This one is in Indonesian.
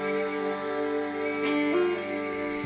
penyelamatkan kepadanya di tarsius